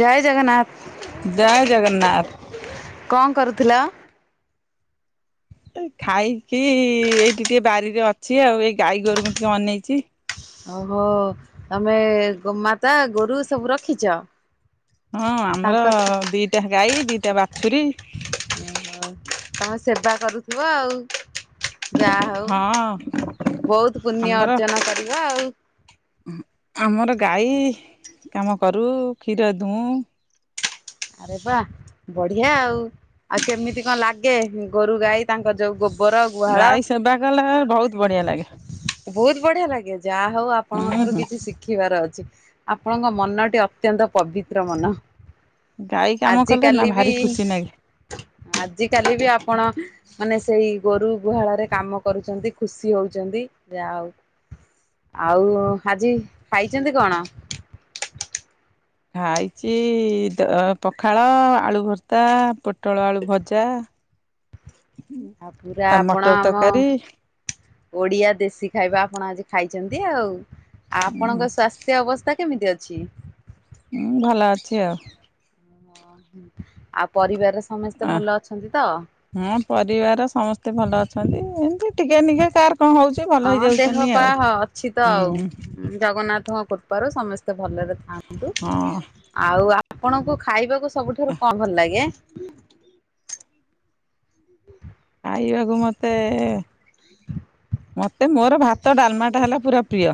ଜୟ ଜୟ ଜଗନ୍ନାଥ। ଜଗନ୍ନାଥ କଣ କରୁଥିଲ? ଖାଇକି ଏଇ ଟିକେ ବାରିରେ ଅଛି ଆଉ ଏଇ ଗାଈ ଗୋରୁଙ୍କୁ ଟିକେ ଅନେଇଛି। ଓହୋ ତମେ ଗୋ ମାତା ଗୋରୁ ସବୁ ରଖିଛ। ହଁ ଆମର ତାଙ୍କ ଦିଟା ଗାଈ ଦିଟା ବାଛୁରୀ। ହଁ ତାଙ୍କ ସେବା କରୁଥିବ ଆଉ। ଯାହା ହଁ ହଉ ବହୁତ ପୁଣ୍ୟ ଆମର ଅର୍ଜନ କରିବ ଆଉ। ଆମର ଗାଈ କାମ କରୁ କ୍ଷୀର ଦୁଉଁ। ଆରେ ବା ବଢ଼ିଆ ଆଉ ଆଉ କେମିତି କଣ ଲାଗେ ଗୋରୁ ଗାଈ ତାଙ୍କ ଯେଉଁ ଗୋବର ଗୁହାଳ ଗାଈ ସେବା କଲେ ବହୁତ ବଢିଆ ଲାଗେ ବହୁତ ବଢ଼ିଆ ଲାଗେ ଯାହା ହଉ ଆପଣଙ୍କ ହୁଁ ଠାରୁ ହୁଁ କିଛି ଶିଖିବାର ଅଛି। ଆପଣଙ୍କ ମନଟି ଅତ୍ୟନ୍ତ ପବିତ୍ର ମନ। ଗାଈ କାମ ଆଜି କଲେ ନା କାଲି ବି ଭାରି ଖୁସି ଲାଗେ ଆଜିିକାଲି ବି ଆପଣ ମାନେ ସେଇ ଗୋରୁ ଗୁହାଳରେ କାମ କରୁଛନ୍ତି ଖୁସି ହଉଛନ୍ତି ଯାହା ଆଉ। ଆଉ ଆଜି ଖାଇଚନ୍ତି କଣ? ଖାଇଛି ଦ ପଖାଳ ଆଳୁ ଭର୍ତା ପ ପୋଟଳ ଆଳୁ ଭଜା ଆଉ ପୁରା ଆଉ ଆପଣ ମଟର ଆମ ତରକାରୀ। ଓଡିଆ ଦେଶୀ ଖାଇବା ଆପଣ ଆଜି ଖାଇଛନ୍ତି ଆଉ ଆପଣଙ୍କ ସ୍ୱା ସ୍ଥ୍ୟ ଅବସ୍ଥା କେମିତି ଅଛି? ହୁଁ ଭଲ ଅଛି ଆଉ। ଓ ହୁଁ ଆଉ ପରିବାରର ସମସ୍ତେ ଭଲ ଅଛନ୍ତି ତ? ହଁ ପରିବାର ସମସ୍ତେ ଭଲ ଅଛନ୍ତି ଏମତି ଟିକେ ନିିକେ କାର କଣ ହଉଛି। ଭଲ ହଁ ଦେହ ହେଇଯାଉଛନ୍ତି ପା ଆଉ। ଅଛି ତ ଆଉ ହୁଁ ଜଗନ୍ନାଥଙ୍କ କୃପାରୁ ସମସ୍ତେ ଭଲରେ ଥାଆନ୍ତୁ ହଁ ଆଉ ଆପଣଙ୍କୁ ଖାଇବାକୁ ସବୁଠାରୁ କଣ ଭଲ ଲାଗେ? ଖାଇବାକୁ ମତେ ମତେ ମୋର ଭାତ ଡାଲମା ଟା ହେଲା ପୁରା ପ୍ରିୟ।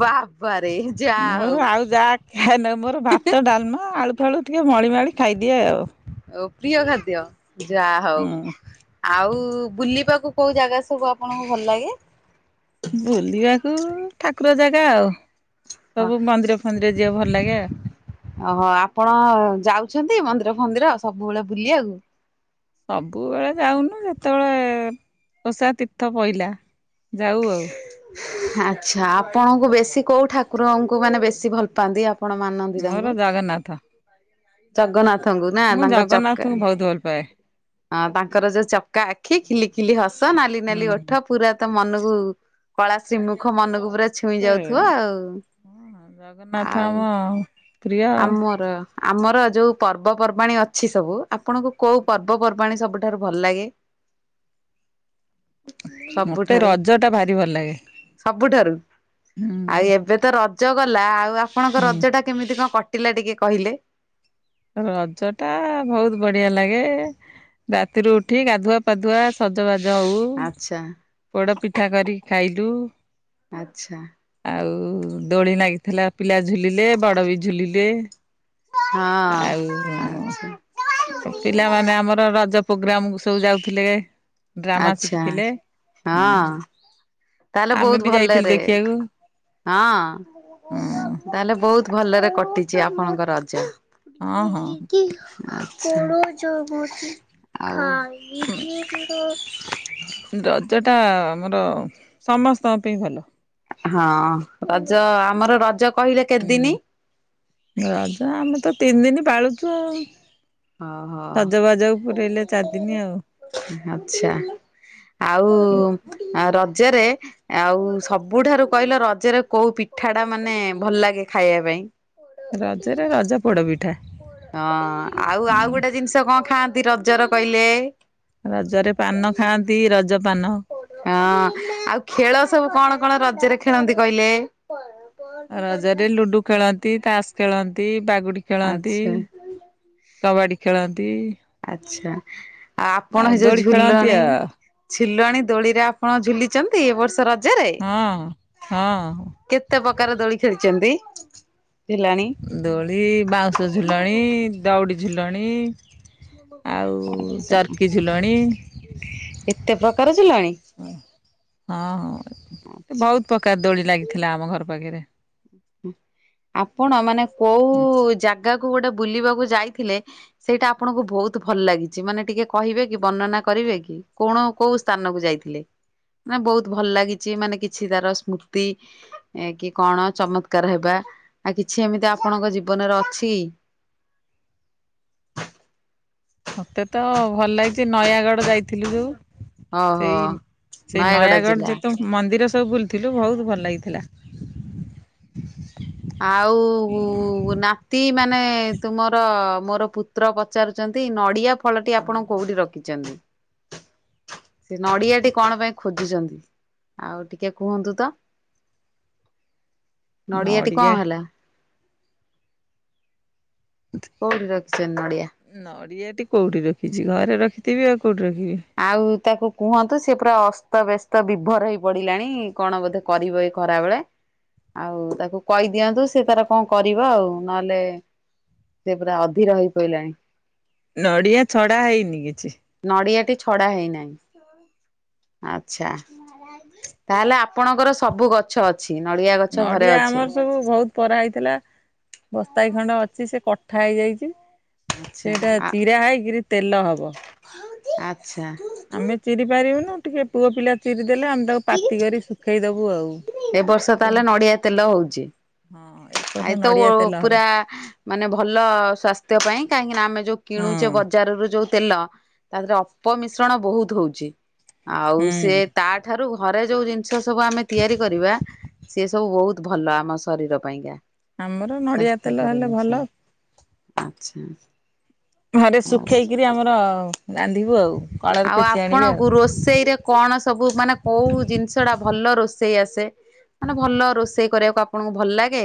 ବାବା ରେ ଯାହା ହଉ। କାହିଁ ନା ମୋର ଭାତ ଡାଲମା ଆଳୁ ଫାଳୁ ଟିକେ ମଳିମାଳି ଖାଇଦିଏ ଆଉ। ଓ ପ୍ରିୟ ଖାଦ୍ୟ ଯାହା ହଉ ହୁଁ। ଆଉ ବୁଲିବାକୁ କୋଉ ଜାଗା ସବୁ ଆପଣଙ୍କୁ ଭଲ ଲାଗେ? ବୁଲିବାକୁ ଠାକୁର ଜାଗା ଆଉ ସବୁ ମନ୍ଦିର ଫନ୍ଦିର ଯିବା କୁ ଭଲ ଲାଗେ ଆଉ। ଓହୋ ଆପଣ ଯାଉଛନ୍ତି ମନ୍ଦିର ଫନ୍ଦିର ସବୁବେଳେ ବୁଲିବାକୁ। ସବୁବେଳେ ଯାଉନୁ ଯେତେବେଳେ ଓଷା ତୀର୍ଥ ପଇଲା ଯାଉ ଆଉ। ଆଚ୍ଛା ଆପଣଙ୍କୁ ବେଶୀ କଉଁ ଠାକୁରଙ୍କୁ ମାନେ ବେଶୀ ଭଲ ପାଆନ୍ତି ଆପଣ ମାନନ୍ତି ମୋର ତାଙ୍କୁ। ଜଗନ୍ନାଥ। ଜଗନ୍ନାଥଙ୍କୁ ନା ମୁଁ ତାଙ୍କ ଚକ ଜଗନ୍ନାଥଙ୍କୁ ବହୁତ ଭଲ ପାଏ। ଅ ତାଙ୍କର ଯୋଉ ଚକା ଆଖି, ଖିଲି ଖିଲି ହସ, ନାଲି ନାଲି ହୁଁ। ଓଠ ପୁରା ତ ମନକୁ କଳା ଶ୍ରୀମୁଖ ମନକୁ ପୁରା ଛୁଇଁ ମତେ ଯାଉଥିବ ଆଉ ହଁ ଜଗନ୍ନାଥ ଆମ ଆଉ ପ୍ରିୟ ଆଉ ଆମର ଆମର ଯୋଉ ପର୍ବପର୍ବାଣୀ ଅଛି ସବୁ, ଆପଣଙ୍କୁ କୋଉ ପର୍ବପର୍ବାଣୀ ସବୁଠାରୁ ଭଲ ଲାଗେ? [inaudible] ମତେ ସବୁଠାରୁ ରଜ ଟା ଭାରି ଭଲ ଲାଗେ। ସବୁଠାରୁ, ହୁଁ ଆଉ ଏବେ ତ ରଜ ଗଲା, ଆଉ ଆପଣଙ୍କ ରଜ ହୁଁ ଟା କେମିତି କଣ? କଟିଲା ଟିକେ କହିଲେ? ରଜ ଟା ବହୁତ ବଢିଆ ଲାଗେ, ରାତିରୁ ଉଠି ଗାଧୁଆ ପାାଧୁଆ ସଜବାଜ ହଉ, ଆଚ୍ଛା ପୋଡ଼ ପିଠା କରିକି ଖାଇଲୁ ଆଚ୍ଛା। ଆଉ ଦୋଳି ଲାଗିଥିଲା, ପିଲା ଝୁଲିଲେ ବଡ଼ ବି ଝୁଲିଲେ ହଁ ଆଚ୍ଛା ଆଉ ପିଲାମାନେ ଆମର ରଜ ପ୍ରୋଗ୍ରାମ ସବୁ ଯାଉଥିଲେ ଡ୍ରାମା ଆଛା ଶିଖିଥିଲେ। ହଁ। ତାହେଲେ ଆମେ ବହୁତ ବି ଯାଇଥିଲୁ ଭଲରେ ଦେଖିବାକୁ ହଁ ହଁ ତାହେଲେ ବହୁତ ଭଲରେ କଟିଛି ଆପଣଙ୍କ ରଜ? ହଁ ହଁ। ଆଉ ରଜଟା ଆମର ସମସ୍ତଙ୍କ ପାଇଁ ଭଲ। ହଁ ରଜ ଆମର ରଜ କହିଲେ କେତେଦିନି ହୁଁ ରଜା ଆମେ ତ ତିନି ଦିନ ପାଳୁଛୁ ଆଉ। ଓହୋ ସଜବାଜ ପୁରଇଲେ ଚାରିଦିନି ଆଉ। ଆଛା, ଆଉ ରଜରେ ଆଉ ସବୁଠାରୁ କହିଲ ରଜରେ କୋଉ ପିଠା ଟା ମାନେ ଭଲ ଲାଗେ ଖାଇବା ପାଇଁ। ରଜରେ ରଜ ପୋଡ଼ ପିଠା। ହଁ ଆଉ ଆଉ ଗୋଟେ ଜିନିଷ କଣ ଖାଆନ୍ତି? ରଜର କହିଲେ ରଜରେ ପାନ ଖାଆନ୍ତି ରଜ ପାନ। ହଁ ଆଉ ଖେଳ ସବୁ କଣ କଣ ରଜରେ ଖେଳନ୍ତି? କହିଲେ? [inaudible] ରଜରେ ଲୁଡୁ ଖେଳନ୍ତି, ତାସ ଖେଳନ୍ତି, ବାଗୁଡି ଖେଳନ୍ତି। ଆଚ୍ଛା କବାଡି ଖେଳନ୍ତି। ଆଛା, ଆଉ ଆପଣ ସେଇ ଦୋଳି ଯୋଉ ଖେଳନ୍ତି ଝୁଲଣି ଆଉ ଝିଲଣି ଦୋଳିରେ, ଆପଣ ଝୁଲିଛନ୍ତି ଏ ବର୍ଷ ରାଜଜରେ ହଁ। କେତେ? ହଁ କେତେ ପ୍ରକାର ଦୋଳି ଖେଳିଛନ୍ତି ଝୁଲାଣି? ଦୋଳି ବାଉଁଶ ଝୁଲଣି, ଦଉଡ଼ି ଝୁଲଣି। ଆଉ, ଆଚ୍ଛା ଚର୍କି ଝୁଲଣି। ଏତେ ପ୍ରକାର ଝୁଲନି? ହଁ ହଁ, ଆଚ୍ଛା। ବହୁତ ପ୍ରକାର ଦୋଳି ଲାଗିଥିଲା ଆମ ଘର ପାଖରେ। ଆପଣ ମାନେ କୋଉ ଜାଗାକୁ ଗୋଟେ ବୁଲିବାକୁ ଯାଇଥିଲେ? ସେଇଟା ଆପଣଙ୍କୁ ବହୁତ ଭଲ ଲାଗିଛି, ମାନେ ଟିକେ କହିବେ କି ବର୍ଣ୍ଣନା କରିବେ କି କଣ? କୋଉ ସ୍ଥାନକୁ ଯାଇଥିଲେ? ମାନ ବହୁତ ଭଲ ଲାଗିଛି ମାନେ କିଛି ତାର ସ୍ମୃତି କି କଣ ଚମତ୍। କାର ହେବା। ଆ, କିଛି ଏମିତି ଆପଣଙ୍କ ଜୀବନରେ ଅଛି? ମୋତେ ତ ଭଲ ଲାଗିଛି ନୟାଗଡ଼ ଯାଇଥିଲୁ ଯୋଉ ଓହୋ। ସେଇ ସେଇ ନୟାଗଡ଼ ନୟାଗଡ ଜିଲ୍ଲା ଯେତେ ମନ୍ଦିର ସବୁ ବୁଲିଥିଲୁ ବହୁତ ଭଲ ଲାଗିଥିଲା। ଆଉ ନାତି ମାନେ ତୁମର ମୋର ପୁ ତ୍ର ପଚାରୁଚନ୍ତି ନଡିଆ ଫଳଟି ଆପଣ କୋଉଠି ରଖିଛନ୍ତି? ସେ ନଡିଆଟି କଣ ପାଇଁ ଖୋଜୁଚନ୍ତି ଆଉ ଟିକେ କୁହନ୍ତୁ ତ? ନଡ଼ିଆଟି ନଡିଆ କଣ ହେଲା? [unintelligible] କୋଉଠି ରଖିଛନ୍ ନଡିଆ? ନଡିଆଟି କୋଉଠି ରଖିଚି? ଘରେ ରଖିଥିବି ଆଉ କୋଉଠି ରଖିବି। ଆଉ ତାକୁ କୁହନ୍ତୁ ସେ ପୁରା ଅସ୍ତ ବ୍ୟସ୍ତ ବିଭୋର ହେଇ ପଡିଲାଣି କଣ ବୋଧେ କରିବ ଏଇ ଖରାବେଳେ। ଆଉ ତାକୁ କହି ଦିଅନ୍ତୁ ସେ ତାର କଣ କରିବ ଆଉ। ନହେଲେ ସିଏ ପୁରା ଅଧୀର ହେଇ ପଇଲାଣି। ନଡିଆ ଛଡା ହେଇନି କିଛି। ନଡ଼ିଆଟି ଛଡା ହେଇନାହିଁ। ଆଚ୍ଛା, ତାହେଲେ ଆପଣଙ୍କର ସବୁ ଗଛ ଅ ଛି, ନଡିଆ ଗଛ ଘରେ ନଡିଆ ଅଛି। ଆମର ସବୁ ବହୁତ ପରା ହେଇଥିଲା। ବସ୍ତାଏ ଖଣ୍ଡେ ଅଛି ସେ କଠା ହେଇଯାଇଚି। ଆଚ୍ଛା ସେଇଟା ଚିରା ହେଇକିରି ତେଲ ହବ। ଆଚ୍ଛା। ଆମେ ଚିରି ପାରିବୁନୁ। ଟିକେ ପୁଅ ପିଲା ଚିରି ଦେଲେ ଆମେ ତାକୁ ପାତି କରି ଶୁଖେଇଦବୁ ଏ ବର୍ଷ ଆଉ। ତାହେଲେ [unintelligible] ହଁ ଏ ବର୍ଷ ଆଏତ ଓ ନଡିଆ ତେଲ ହବ ପୁରା ମାନେ ଭଲ ସ୍ୱାସ୍ଥ୍ୟ ପାଇଁ କାହିଁକି ନା ଆମେ ଯୋଉ ହଁ କିଣୁଚେ ବଜାରରୁ ଯୋଉ ତେଲ ତା ଦିହରେ ଅପମିଶ୍ରଣ ବହୁତ ହଉଛି। ଆଉ ସିଏ ହୁଁ ତା ଠାରୁ ଘରେ ଯୋଉ ଜିନିଷ ସବୁ ଆମେ ତିଆରି କରିବା ସେ ସବୁ ବହୁତ ଭଲ ଆମ ଶରୀର ପାଇଁକା। ଆମର ନଡ଼ିଆ ତେଲ ସ୍ୱାସ୍ଥ୍ୟକର ହେଲେ ଜିନିଷ। ଭଲ। ଆଚ୍ଛା। ଘରେ ହଉ ଶୁଖେଇକିରି ଆମର ରାନ୍ଧିବୁ ଆଉ। କଳରେ ଆଉ ପେଚି ଆଣିବେ ଆଉ ଆପଣଙ୍କୁ ରୋଷେଇରେ କଣ ସବୁ ମାନେ କୋଉ ଜିନିଷ ଟା ଭଲ ରୋଷେଇ ଆସେ? ମାନେ ଭଲ ରୋଷେଇ କରିବାକୁ ଆପଣଙ୍କୁ ଭଲ ଲାଗେ।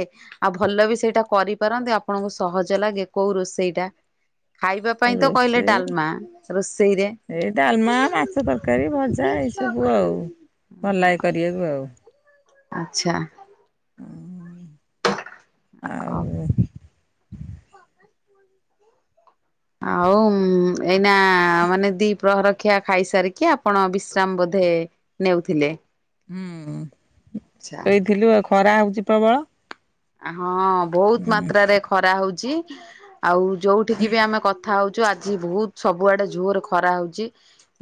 ଆଉ ଭଲ ବି ସେଇଟା କରିପାରନ୍ତି, ଆପଣଙ୍କୁ ସହଜ ଲାଗେ, କୋଉ ରୋଷେଇଟା? ଖାଇବା ପାଇଁ ତ କହିଲେ ରୋଷେଇ ଡାଲମା। ରୋଷେଇରେ? ଏଇ ଡାଲମା, ମାଛ ତରକାରୀ, ଭଜା ଏଇ ସବୁ ଆଉ ଭଲ ଲାଗେ କରିବାକୁ ଆଉ। ଆଚ୍ଛା। ଅଁ, ହଉ। ଆଉ। ଆଉ ଉଁ, ଏଇନା ମାନେ ଦି ପ୍ରହର ଖିଆ ଖାଇସାରିକି ଆପଣ ବିଶ୍ରାମ ବୋଧେ ନେଉଥିଲେ? ହୁଁ। ଆଚ୍ଛା ଶୋଇଥିଲୁ ଆଉ ଖରା ହଉଚି ପ୍ରବଳ। ଆ, ହଁ ବହୁତ ହୁଁ ମାତ୍ରାରେ ଖରା ହଉଛି। ଆଉ ଯୋଉଠିକି ବି ଆମେ କ କଥା ହଉଛୁ, ଆଜି ବହୁତ ସବୁଆଡେ ଜୋର ଖରା ହଉଚି।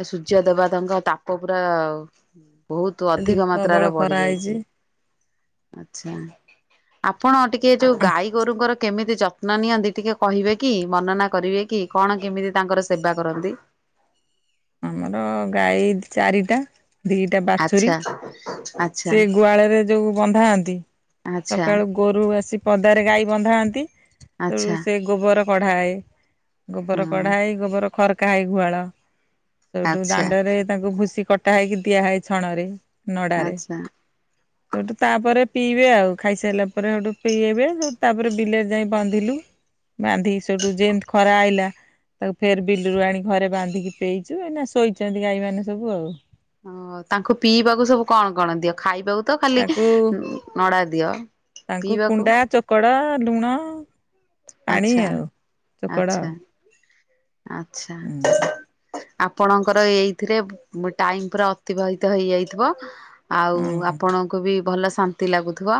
ଏ ସୂଯ୍ୟ ଦେବତାଙ୍କ ତାପ ପୁରା ଆଉ ବହୁତୁ ଆଜି ଅଧିକ ପ୍ରବଳ ମାତ୍ରାରେ ବଢି ଖରା ଯାଇଛି। ହେଇଛି ଆଚ୍ଛା, ଆପଣ ଟିକେ ଯୋଉ ଗାଈ ଗୋରୁଙ୍କର କେମିତି ଯ ତ୍ନ ନିଅନ୍ତି ଟିକେ କହିବେ କି ବର୍ଣ୍ଣନା କରିବେ କି କଣ କେମିତି ତାଙ୍କର ସେବା କରନ୍ତି? ଆମର ଗାଈ ଚାରିଟା ଦିଟା ବାଛୁରୀ। ଆଚ୍ଛା ଆଚ୍ଛା ସେ ଗୁହାଳରେ ଯୋଉ ବନ୍ଧାନ୍ତି ଆଚ୍ଛା ସକାଳୁ ଭୋରୁ ଆସି ପଦାରେ ଗାଈ ବନ୍ଧାନ୍ତି ତେୁ ଆଚ୍ଛା ସେ ଗୋବର କଢାଏ। ଗୋବର ହଁ କଢା ହେ ଗୋବର ଖରକା ହେ ଗୁହାଳ ସେଠୁ ଆଚ୍ଛା ଦାଣ୍ଡରେ ତାଙ୍କୁ ଭୁସି କଟା ହେଇ ଦିଆ ହଏ ଛଣ ରେ ନଡରେ ଆଚ୍ଛା ସେଠୁ ତାପରେ ପିଇବେ ଆଉ ଖାଇସାରିଲା ପରେ ସେଇଠୁ ପିଇବେ ସେଠୁ ତାପରେ ବିଲରେ ଯାଇ ବନ୍ଧିଲୁ। ବାନ୍ଧିକି ସେଠୁ ଯେମ୍ତି ଖରା ଆଇଲା। ତାକୁ ଫେର ବିଲରୁୁ ଆଣି ଘରେ ବାନ୍ଧିକି ପେଇଇଚୁ, ଏଇନା ଶୋଇଚନ୍ତି ଗାଈ ମାନେ ସବୁ ଆଉ। ଓ ତାଙ୍କୁ ପିଇବାକୁ ସବୁ କଣ କଣ ଦିଅ ଖାଇବାକୁ ତ ଖାଲି ତାଙ୍କୁ ନଡା ଦିଅ। ପିଇବାକୁ? ଚୋକଡ଼ା ଲୁଣ ପାଣି ଆଚ୍ଛା ଆଉ ଚୋକଡ଼। ଆଚ୍ଛା ଆଚ୍ଛା। ଆପଣଙ୍କର ଏଇଥିରେ ଟାଇମ ପୁରା ଅତିବାହିତ ହେଇଯାଇଥିବ। ଆଉ ହୁଁ ଆପଣଙ୍କୁ ବି ଭଲ ଶାନ୍ତି ଲାଗୁଥିବ।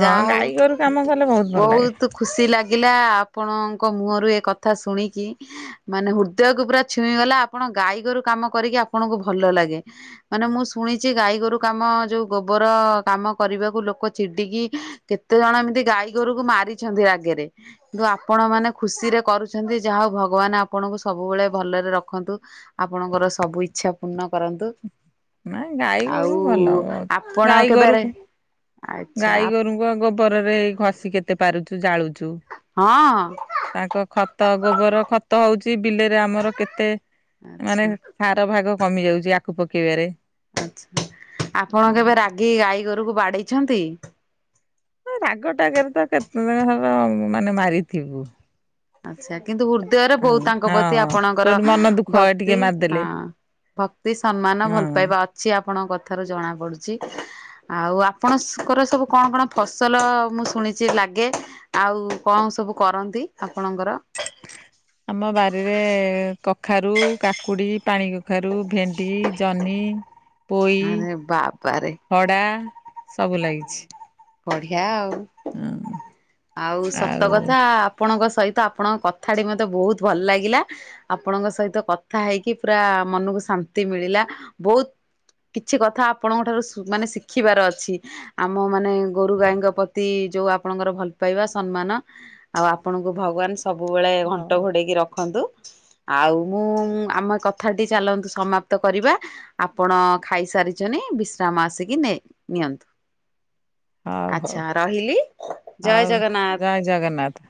ହଁ ଯାହା ହଉ ଗାଈ ଗୋରୁ କାମ କଲେ ଭଲ ଲାଗେ ବହୁତ ଖୁସି ଲାଗ ଆଗିଲା ଆପଣଙ୍କ ମୁହଁରୁ ଏ କଥା ଶୁଣିକି ମାନେ ହୃଦୟକୁ ପୁରା ଛୁଇଁଗଲା ଆପଣଙ୍କୁ ଗାଈଗୋରୁ କାମ କରିକି ଆପଣଙ୍କୁ ଭଲ ଲାଗେ। ମାନେ ମୁଁ ଶୁଣିଚି ଗାଈ ଗୋରୁ କାମ ଯୋଉ ଗୋବର କାମ କରିବାକୁ ଲୋକ ଚିଡିକି କେତେ ଜଣ ଏମିତି ଗାଈଗୋରୁକୁ ମାରିଛନ୍ତି ରାଗରେ କିନ୍ତୁ ଆପଣ ମାନେ ଖୁସି ରେ କରୁଛନ୍ତି ଯାହା ହଉ ଭଗବାନ ଆପଣଙ୍କୁ ସବୁବେଳେ ଭଲରେ ରଖନ୍ତୁ। ଆପଣଙ୍କର ସବୁ ଇଚ୍ଛା ପୂର୍ଣ୍ଣ କରନ୍ତୁ। ନାଇଁ ଗାଈ ଆଉ ଗୋରୁ ଭଲ ବହୁତ। ଆପଣ ଗାଈ କେବେରେ ଗୋରୁକୁ ଗାଈ ଗୋରୁଙ୍କୁ ଗୋବରରେ ଘଷି କେତେ ପାରୁଛୁ ଜାଳୁଛୁ। ହଁ। ତାଙ୍କ ଖତ ଗୋବର ଖତ ହଉଚି ବିଲରେ ଆମର କେତେ ଆଚ୍ଛା। ମାନେ ସାର ଭାଗ କମି ଯାଉଚି ଆଖୁ ପକେଇବାରେ। ଆଛା ଆପଣ କେବେ ରାଗି ଗାଈ ଗୋରୁକୁ ବାଡେଇଛନ୍ତି? ରାଗଟା ଗରେ ତ କେତେଦିନର ହବ ମାନେ ମାରିଥିବୁ। ଆଚ୍ଛା କିନ୍ତୁ ହୃଦୟରେ ହଁ ବହୁ ତାଙ୍କ ପ୍ରତି ହଁ ଆପଣଙ୍କର ସେଠୁ ମନ ଦୁଃଖ ଟିକେ ଭକ୍ତି ହଁ ମାରିଦେଲେ ଭକ୍ତି ସମ୍ମାନ ଭଲ ହଁ। ପାଇବା ଅଛି ଆପଣଙ୍କ କଥାରୁ ଜଣା ପଡୁଚି। ଆଉ ଆପଣଙ୍କର ସବୁ କଣ କଣ ଫସଲ ମୁଁ ଶୁଣିଚି ଲାଗେ। ଆଉ କଣ ସବୁ କରନ୍ତି ଆପଣଙ୍କର? ଆମ ବାରିରେ କଖାରୁ, କାକୁଡି, ପାଣି କଖାରୁ, ଭେଣ୍ଡି, ଜହ୍ନି। ପୋଇ, ଆରେ ବାବାରେ ହଡ଼ା। ବଢିଆ ଆଉ। ହୁଁ। ଆଉ ସତ କଥା ଆପଣଙ୍କ ସହିତ ଆପଣଙ୍କ କଥାଟି ମତେ ବହୁତ ଭଲ ଲାଗିଲା। ଆପଣଙ୍କ ସହିତ କଥା ହେଇକି ପୁରା ମନକୁ ଶାନ୍ତି ମିଳିଲା। ବହୁତ କିଛି କଥା ଆପଣଙ୍କ ଠାରୁ ମାନେ ଶିଖିବାର ଅଛି। ଆମ ମାନେ ଗୋରୁ ଗାଈଙ୍କ ପ୍ରତି ଯୋଉ ଆପଣଙ୍କର ଭଲ ପାଇବା, ସମ୍ମାନ ଆଉ ଆପଣଙ୍କୁ ଭଗବାନ ସବୁବେଳେ ଘଣ୍ଟ ଘୋଡେଇକି ରଖନ୍ତୁ। ଆଉ ମୁଁ ଆମ କଥାଟି ଚାଲନ୍ତୁ ସମାପ୍ତ କରିବା। ଆପଣ ଖାଇସାରିଛନ୍ତି ନ ବିଶ୍ରାମ ଆସିକି ନିଅନ୍ତୁ। ହଉ ହଉ ଆଚଛା ରହିଲି। ଜୟ ହଉ ଜଗନ୍ନାଥ। ଜୟ ଜଗନ୍ନାଥ।